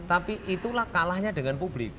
tapi itulah kalahnya dengan publik